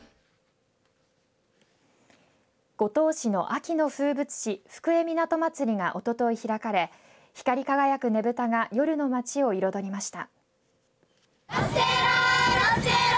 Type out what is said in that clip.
五島市の秋の風物詩福江みなとまつりがおととい開かれ光り輝くねぶたが夜の街を彩りました。